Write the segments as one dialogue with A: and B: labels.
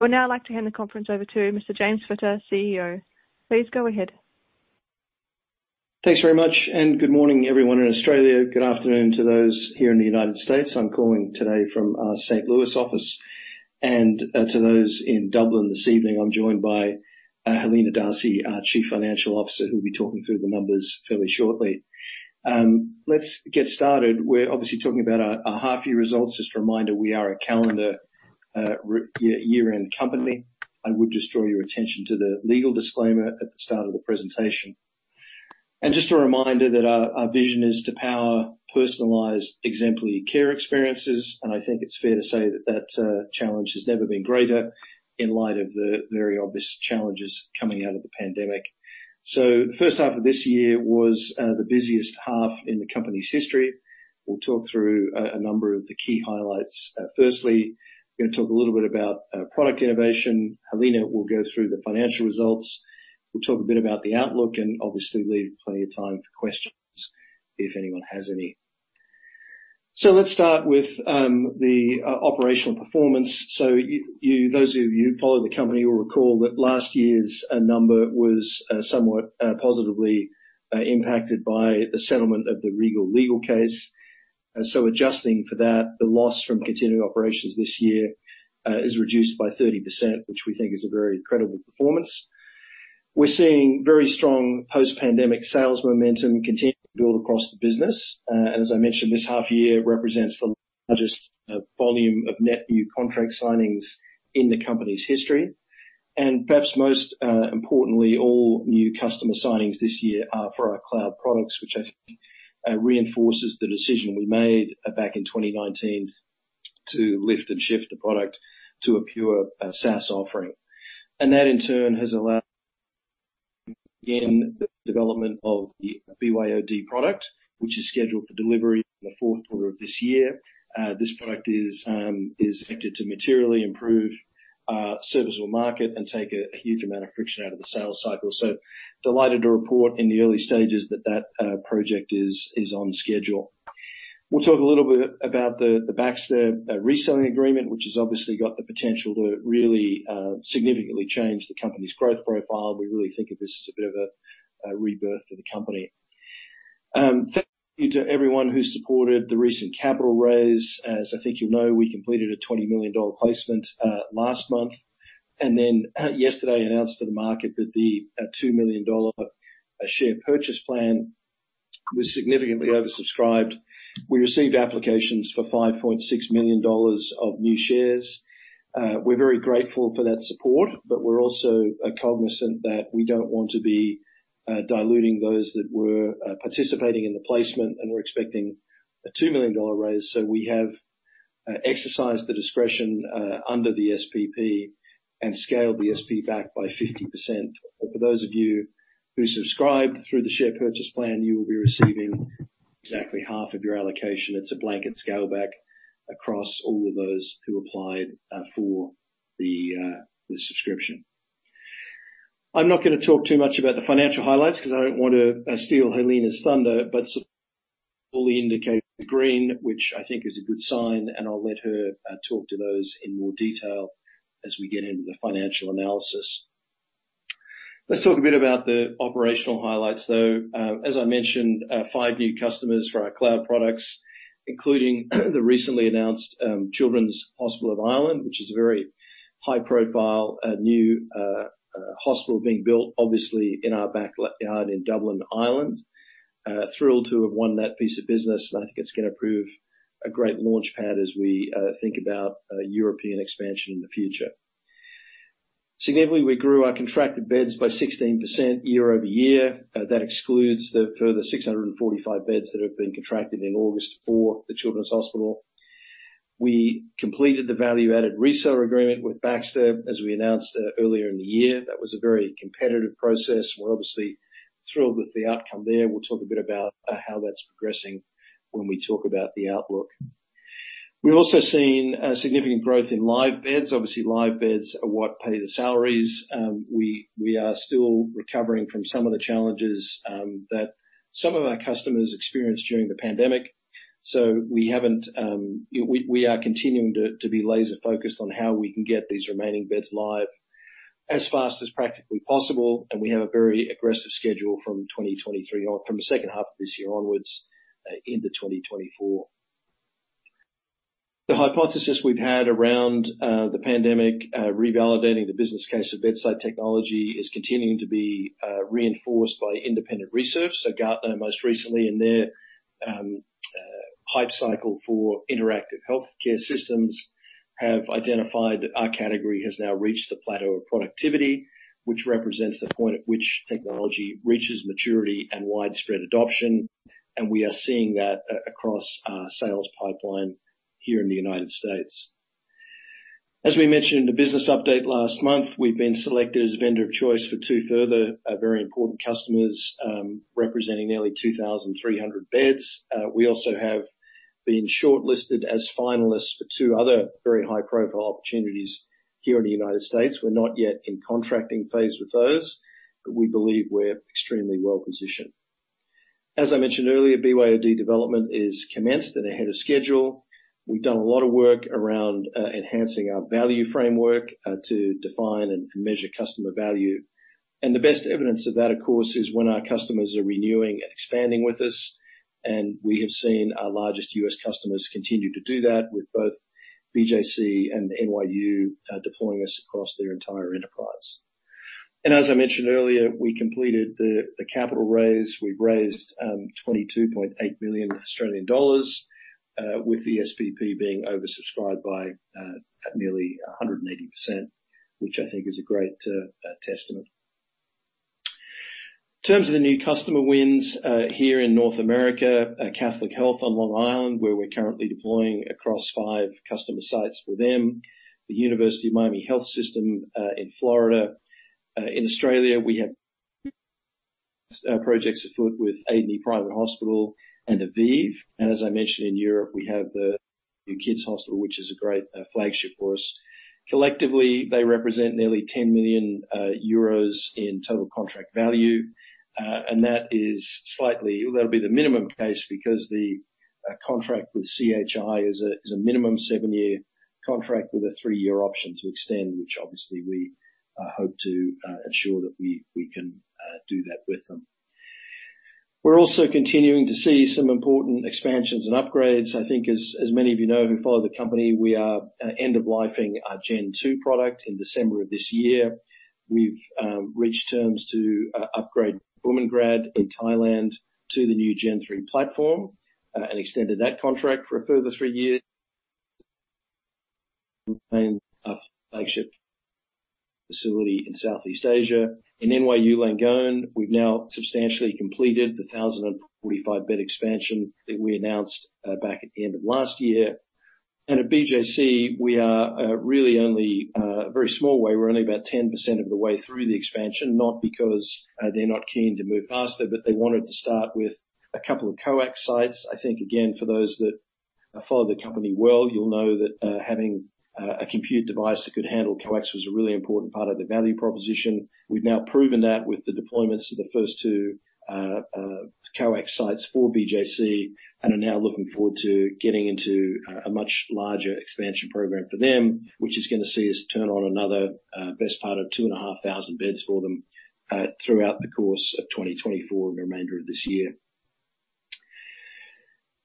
A: I would now like to hand the conference over to Mr. James Fitter, CEO. Please go ahead.
B: Thanks very much, and good morning, everyone in Australia. Good afternoon to those here in the United States. I'm calling today from St. Louis office, and to those in Dublin this evening, I'm joined by Helena D'Arcy, our Chief Financial Officer, who'll be talking through the numbers fairly shortly. Let's get started. We're obviously talking about our half year results. Just a reminder, we are a calendar year-end company. I would just draw your attention to the legal disclaimer at the start of the presentation. Just a reminder that our vision is to power personalized, exemplary care experiences, and I think it's fair to say that challenge has never been greater in light of the very obvious challenges coming out of the pandemic. The first half of this year was the busiest half in the company's history. We'll talk through a number of the key highlights. Firstly, we're gonna talk a little bit about product innovation. Helena will go through the financial results. We'll talk a bit about the outlook and obviously leave plenty of time for questions if anyone has any. So let's start with the operational performance. So you, those of you who follow the company will recall that last year's number was somewhat positively impacted by the settlement of the Regal legal case. So adjusting for that, the loss from continuing operations this year is reduced by 30%, which we think is a very incredible performance. We're seeing very strong post-pandemic sales momentum continue to build across the business. As I mentioned, this half year represents the largest volume of net new contract signings in the company's history, and perhaps most importantly, all new customer signings this year are for our cloud products, which I think reinforces the decision we made back in 2019 to lift and shift the product to a pure SaaS offering. And that, in turn, has allowed, again, the development of the BYOD product, which is scheduled for delivery in the Q4 of this year. This product is expected to materially improve serviceable market and take a huge amount of friction out of the sales cycle. So delighted to report in the early stages that project is on schedule. We'll talk a little bit about the Baxter reselling agreement, which has obviously got the potential to really significantly change the company's growth profile. We really think of this as a bit of a rebirth for the company. Thank you to everyone who supported the recent capital raise. As I think you know, we completed a 20 million dollar placement last month, and then yesterday, announced to the market that the two million dollar share purchase plan was significantly oversubscribed. We received applications for 5.6 million dollars of new shares. We're very grateful for that support, but we're also cognizant that we don't want to be diluting those that were participating in the placement, and were expecting a 2 million dollar raise. So we have exercised the discretion under the SPP and scaled the SP back by 50%. For those of you who subscribed through the share purchase plan, you will be receiving exactly half of your allocation. It's a blanket scaleback across all of those who applied for the subscription. I'm not gonna talk too much about the financial highlights, because I don't want to steal Helena's thunder, but all indicate green, which I think is a good sign, and I'll let her talk to those in more detail as we get into the financial analysis. Let's talk a bit about the operational highlights, though. As I mentioned, five new customers for our cloud products, including the recently announced Children's Health Ireland, which is a very high-profile new hospital being built, obviously, in our backyard in Dublin, Ireland. Thrilled to have won that piece of business. I think it's gonna prove a great launchpad as we think about European expansion in the future. Significantly, we grew our contracted beds by 16% year-over-year. That excludes the further 645 beds that have been contracted in August for the Children's Hospital. We completed the value-added reseller agreement with Baxter, as we announced, earlier in the year. That was a very competitive process. We're obviously thrilled with the outcome there. We'll talk a bit about how that's progressing when we talk about the outlook. We've also seen significant growth in live beds. Obviously, live beds are what pay the salaries. We are still recovering from some of the challenges that some of our customers experienced during the pandemic, so we haven't. We are continuing to be laser focused on how we can get these remaining beds live as fast as practically possible, and we have a very aggressive schedule from 2023 on- from the second half of this year onwards into 2024. The hypothesis we've had around the pandemic revalidating the business case of bedside technology is continuing to be reinforced by independent research. So Gartner, most recently in their Hype Cycle for interactive healthcare systems, have identified that our category has now reached the Plateau of Productivity, which represents the point at which technology reaches maturity and widespread adoption, and we are seeing that across our sales pipeline here in the United States. As we mentioned in the business update last month, we've been selected as vendor of choice for two further very important customers, representing nearly 2,300 beds. We also have been shortlisted as finalists for two other very high-profile opportunities here in the United States. We're not yet in contracting phase with those, but we believe we're extremely well positioned. As I mentioned earlier, BYOD development is commenced and ahead of schedule. We've done a lot of work around enhancing our value framework to define and measure customer value. The best evidence of that, of course, is when our customers are renewing and expanding with us, and we have seen our largest U.S. customers continue to do that with both BJC and NYU, deploying us across their entire enterprise. As I mentioned earlier, we completed the capital raise. We've raised 22.8 million Australian dollars, with the SPP being oversubscribed by at nearly 180%, which I think is a great testament. In terms of the new customer wins, here in North America, Catholic Health on Long Island, where we're currently deploying across five customer sites for them, the University of Miami Health System in Florida. In Australia, we have projects afoot with ADH Private Hospital and Avive. As I mentioned, in Europe, we have the new Children's Hospital, which is a great flagship for us. Collectively, they represent nearly 10 million euros in total contract value, and that is the minimum case because the contract with CHI is a minimum seven-year contract with a three-year option to extend, which obviously we hope to ensure that we can do that with them. We're also continuing to see some important expansions and upgrades. I think as many of you know, who follow the company, we are end-of-lifing our Gen 2 product in December of this year. We've reached terms to upgrade Bumrungrad in Thailand to the new Gen 3 platform, and extended that contract for a further three years, flagship facility in Southeast Asia. In NYU Langone, we've now substantially completed the 1,045-bed expansion that we announced back at the end of last year. At BJC, we are really only a very small way. We're only about 10% of the way through the expansion, not because they're not keen to move faster, but they wanted to start with a couple of co-ax sites. I think, again, for those that follow the company well, you'll know that having a compute device that could handle co-ax was a really important part of the value proposition. We've now proven that with the deployments of the first two co-ax sites for BJC, and are now looking forward to getting into a much larger expansion program for them, which is gonna see us turn on another best part of 2,500 beds for them throughout the course of 2024 and the remainder of this year.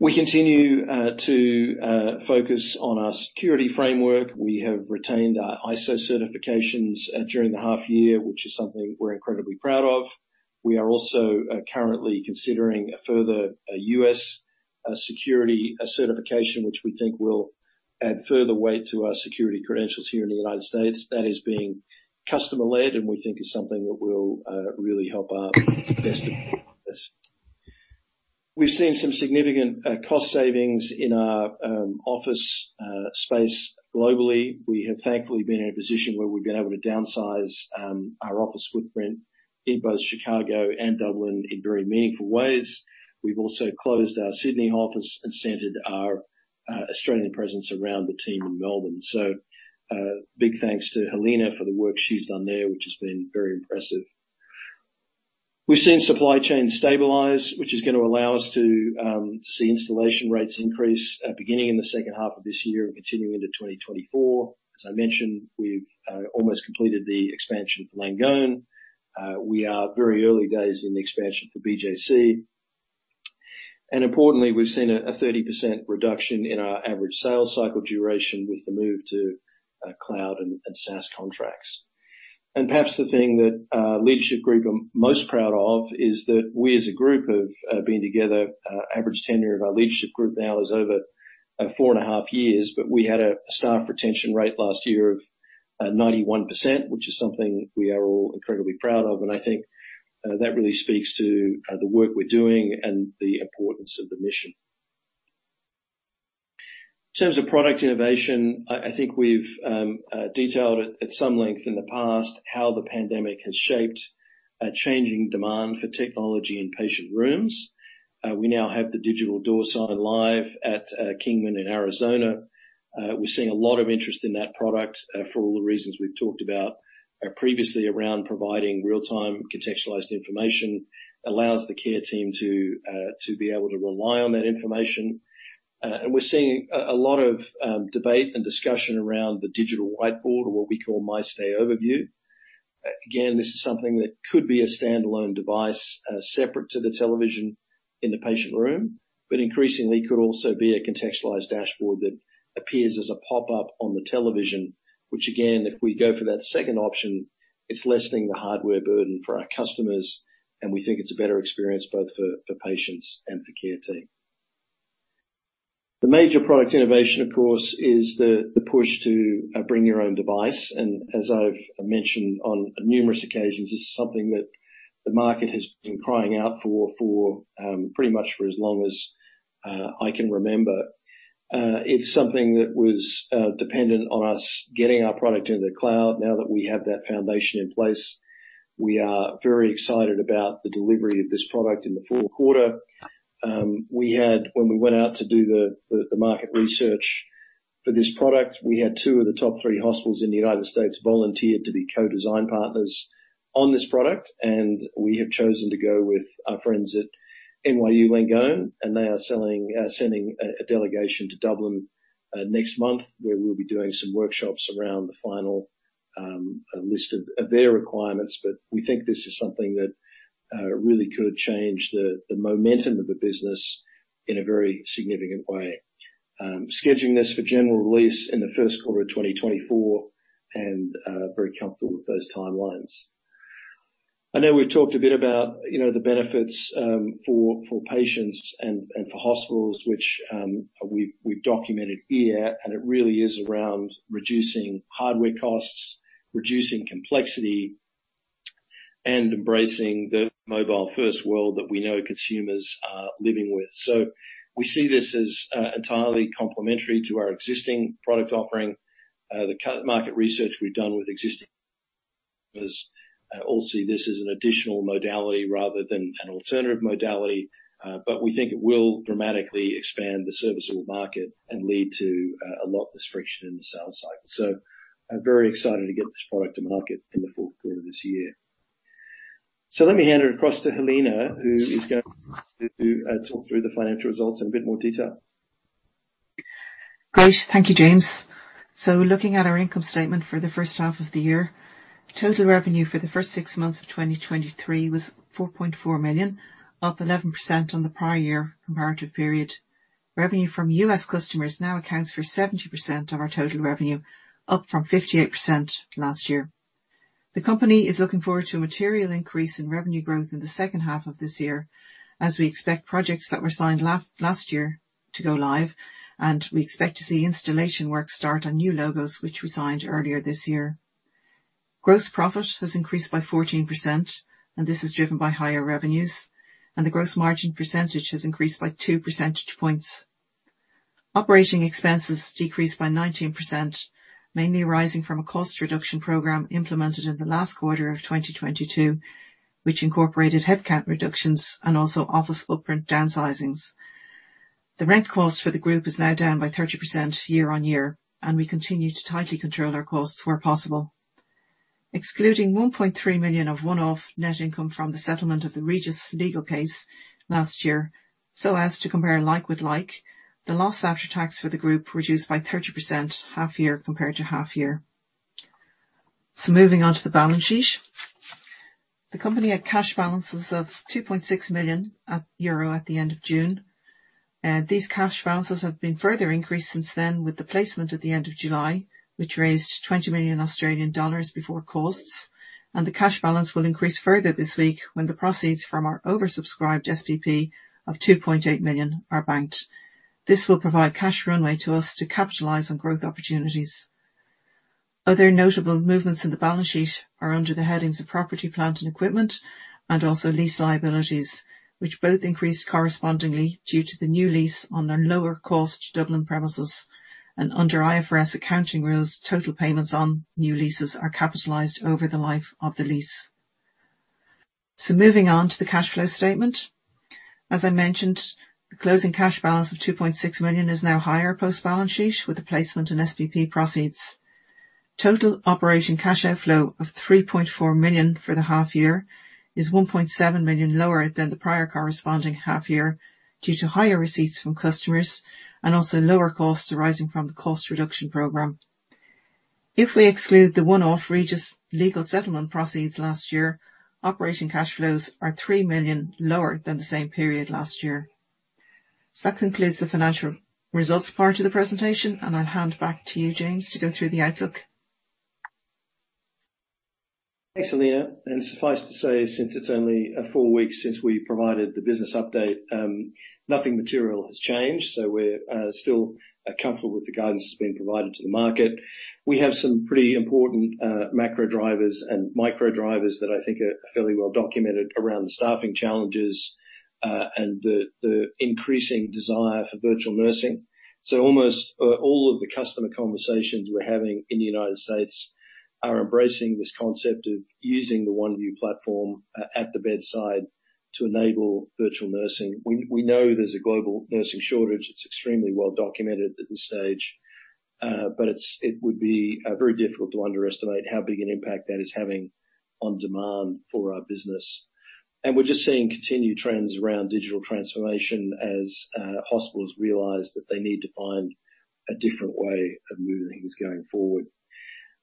B: We continue to focus on our security framework. We have retained our ISO certifications during the half year, which is something we're incredibly proud of. We are also currently considering a further U.S. security certification, which we think will add further weight to our security credentials here in the United States. That is being customer-led, and we think it's something that will really help our. We've seen some significant cost savings in our office space globally. We have thankfully been in a position where we've been able to downsize our office footprint in both Chicago and Dublin in very meaningful ways. We've also closed our Sydney office and centered our Australian presence around the team in Melbourne. So, big thanks to Helena for the work she's done there, which has been very impressive. We've seen supply chain stabilize, which is gonna allow us to see installation rates increase beginning in the second half of this year and continuing into 2024. As I mentioned, we've almost completed the expansion for Langone. We are very early days in the expansion for BJC. Importantly, we've seen a 30% reduction in our average sales cycle duration with the move to cloud and SaaS contracts. Perhaps the thing that our leadership group are most proud of is that we, as a group, have been together. Average tenure of our leadership group now is over 4.5 years, but we had a staff retention rate last year of 91%, which is something we are all incredibly proud of, and I think that really speaks to the work we're doing and the importance of the mission. In terms of product innovation, I think we've detailed at some length in the past how the pandemic has shaped a changing demand for technology in patient rooms. We now have the Digital Door Sign live at Kingman in Arizona. We're seeing a lot of interest in that product for all the reasons we've talked about previously around providing real-time, contextualized information, allows the care team to be able to rely on that information. And we're seeing a lot of debate and discussion around the digital whiteboard or what we call MyStay Overview. Again, this is something that could be a standalone device separate to the television in the patient room, but increasingly could also be a contextualized dashboard that appears as a pop-up on the television, which again, if we go for that second option, it's lessening the hardware burden for our customers, and we think it's a better experience both for patients and for care team. The major product innovation, of course, is the push to bring your own device, and as I've mentioned on numerous occasions, this is something that the market has been crying out for pretty much for as long as I can remember. It's something that was dependent on us getting our product into the cloud. Now that we have that foundation in place, we are very excited about the delivery of this product in the Q4. When we went out to do the market research,... For this product, we had two of the top three hospitals in the United States volunteer to be co-design partners on this product, and we have chosen to go with our friends at NYU Langone, and they are sending a delegation to Dublin next month, where we'll be doing some workshops around the final list of their requirements. But we think this is something that really could change the momentum of the business in a very significant way. Scheduling this for general release in the Q1 of 2024, and very comfortable with those timelines. I know we've talked a bit about, you know, the benefits, for patients and for hospitals, which we've documented here, and it really is around reducing hardware costs, reducing complexity, and embracing the mobile-first world that we know consumers are living with. So we see this as entirely complementary to our existing product offering. The current market research we've done with existing customers all see this as an additional modality rather than an alternative modality, but we think it will dramatically expand the serviceable market and lead to a lot less friction in the sales cycle. So I'm very excited to get this product to market in the Q4 of this year. So let me hand it across to Helena, who is going to talk through the financial results in a bit more detail.
A: Great. Thank you, James. So looking at our income statement for the first half of the year, total revenue for the first six months of 2023 was 4.4 million, up 11% on the prior year comparative period. Revenue from U.S. customers now accounts for 70% of our total revenue, up from 58% last year. The company is looking forward to a material increase in revenue growth in the second half of this year, as we expect projects that were signed last year to go live, and we expect to see installation work start on new logos, which we signed earlier this year. Gross profit has increased by 14%, and this is driven by higher revenues, and the gross margin percentage has increased by two percentage points. Operating expenses decreased by 19%, mainly arising from a cost reduction program implemented in the last quarter of 2022, which incorporated headcount reductions and also office footprint downsizings. The rent cost for the group is now down by 30% year-on-year, and we continue to tightly control our costs where possible. Excluding 1.3 million of one-off net income from the settlement of the Regis legal case last year, so as to compare like with like, the loss after tax for the group reduced by 30% half year compared to half year. So moving on to the balance sheet. The company had cash balances of 2.6 million euro at the end of June. These cash balances have been further increased since then, with the placement at the end of July, which raised 20 million Australian dollars before costs, and the cash balance will increase further this week when the proceeds from our oversubscribed SPP of 2.8 million are banked. This will provide cash runway to us to capitalize on growth opportunities. Other notable movements in the balance sheet are under the headings of property, plant, and equipment, and also lease liabilities, which both increased correspondingly due to the new lease on our lower-cost Dublin premises. Under IFRS accounting rules, total payments on new leases are capitalized over the life of the lease. Moving on to the cash flow statement. As I mentioned, the closing cash balance of 2.6 million is now higher post-balance sheet, with the placement in SPP proceeds. Total operating cash outflow of 3.4 million for the half year is 1.7 million lower than the prior corresponding half year due to higher receipts from customers and also lower costs arising from the cost reduction program. If we exclude the one-off Regis legal settlement proceeds last year, operating cash flows are 3 million lower than the same period last year. So that concludes the financial results part of the presentation, and I'll hand back to you, James, to go through the outlook.
B: Thanks, Helena, and suffice to say, since it's only a full week since we provided the business update, nothing material has changed, so we're still comfortable with the guidance that's been provided to the market. We have some pretty important macro drivers and micro drivers that I think are fairly well documented around the staffing challenges and the increasing desire for virtual nursing. So almost all of the customer conversations we're having in the United States are embracing this concept of using the Oneview platform at the bedside to enable virtual nursing. We know there's a global nursing shortage. It's extremely well documented at this stage, but it would be very difficult to underestimate how big an impact that is having on demand for our business. We're just seeing continued trends around digital transformation as hospitals realize that they need to find a different way of moving things going forward.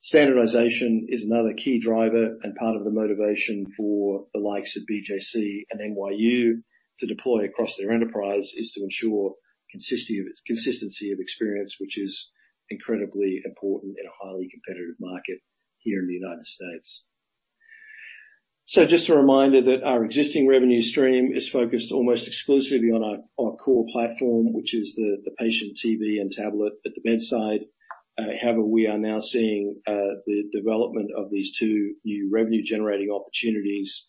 B: Standardization is another key driver, and part of the motivation for the likes of BJC and NYU to deploy across their enterprise is to ensure consistency of, consistency of experience, which is incredibly important in a highly competitive market here in the United States. Just a reminder that our existing revenue stream is focused almost exclusively on our, our core platform, which is the, the patient TV and tablet at the bedside. However, we are now seeing the development of these two new revenue-generating opportunities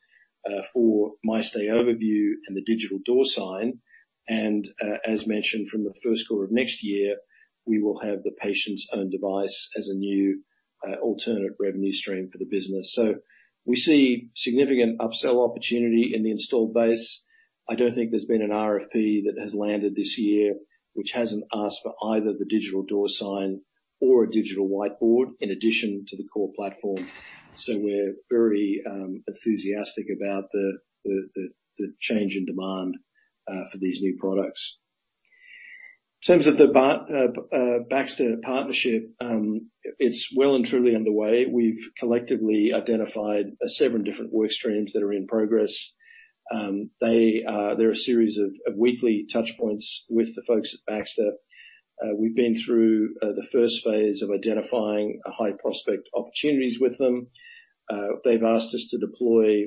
B: for My Stay Overview and the Digital Door Sign. As mentioned, from the Q1 of next year, we will have the patient's own device as a new alternate revenue stream for the business. So we see significant upsell opportunity in the installed base. I don't think there's been an RFP that has landed this year, which hasn't asked for either the Digital Door Sign or a digital whiteboard in addition to the core platform. So we're very enthusiastic about the change in demand for these new products. In terms of the Baxter partnership, it's well and truly underway. We've collectively identified several different work streams that are in progress. There are a series of weekly touchpoints with the folks at Baxter. We've been through the first phase of identifying high-prospect opportunities with them. They've asked us to deploy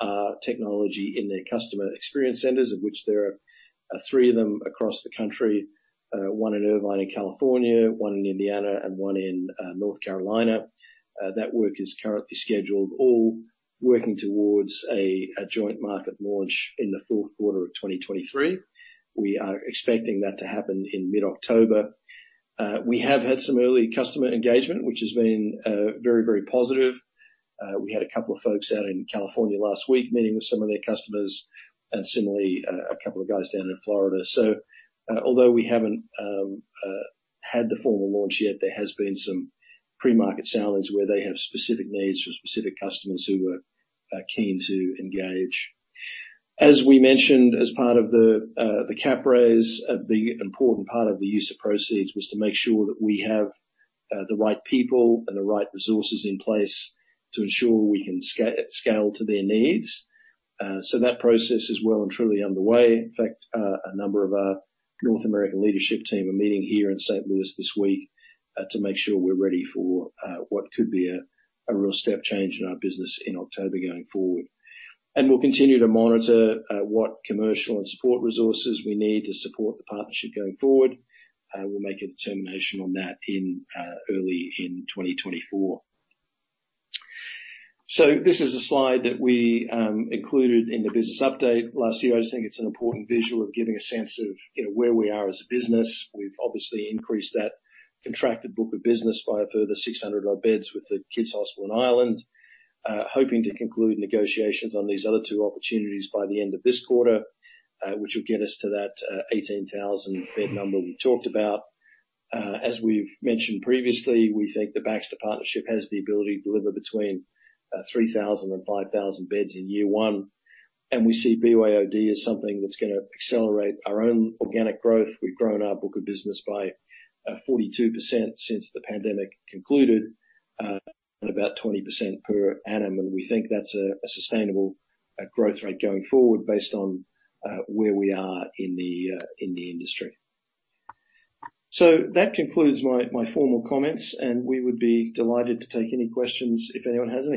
B: our technology in their customer experience centers, of which there are 3 of them across the country. One in Irvine, in California, one in Indiana, and one in North Carolina. That work is currently scheduled, all working towards a joint market launch in the Q4 of 2023. We are expecting that to happen in mid-October. We have had some early customer engagement, which has been very, very positive. We had a couple of folks out in California last week meeting with some of their customers, and similarly a couple of guys down in Florida. So, although we haven't had the formal launch yet, there has been some pre-market sales where they have specific needs for specific customers who are keen to engage. As we mentioned, as part of the cap raise, the important part of the use of proceeds was to make sure that we have the right people and the right resources in place to ensure we can scale to their needs. So that process is well and truly underway. In fact, a number of our North American leadership team are meeting here in St. Louis this week to make sure we're ready for what could be a real step change in our business in October going forward. And we'll continue to monitor what commercial and support resources we need to support the partnership going forward. We'll make a determination on that in early in 2024. So this is a slide that we included in the business update last year. I just think it's an important visual of giving a sense of, you know, where we are as a business. We've obviously increased that contracted book of business by a further 600-odd beds with the Children's Hospital in Ireland. Hoping to conclude negotiations on these other two opportunities by the end of this quarter, which will get us to that 18,000-bed number we talked about. As we've mentioned previously, we think the Baxter partnership has the ability to deliver between 3,000 and 5,000 beds in year one, and we see BYOD as something that's gonna accelerate our own organic growth. We've grown our book of business by 42% since the pandemic concluded, and about 20% per annum, and we think that's a sustainable growth rate going forward based on where we are in the industry. So that concludes my formal comments, and we would be delighted to take any questions if anyone has any.